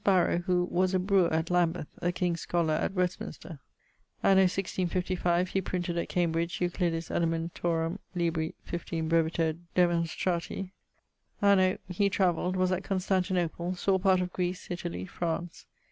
Barrow, was a brewer at Lambith; a King's Scholar at Westminster. Anno 1655 he printed at Cambridge Euclidis Elementorum libri XV breviter demonstrati. Anno ..., he travelled; was at Constantinople; sawe part of Graece, Italie, France.